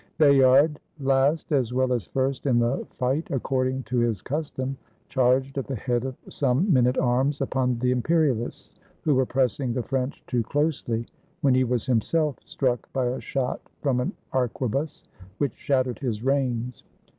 ] Bayard, last as well as first in the fight, according to his custom, charged at the head of some men at arms upon the Imperialists who were pressing the French too closely, when he was himself struck by a shot from an arquebus, which shattered his reins.